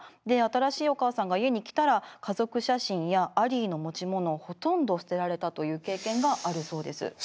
で新しいお母さんが家に来たら家族写真やアリーの持ち物をほとんど捨てられたという経験があるそうです。